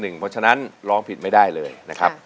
เพราะฉะนั้นร้องผิดไม่ได้เลยนะครับ